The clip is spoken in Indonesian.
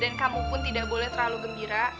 dan kamu pun tidak boleh terlalu gembira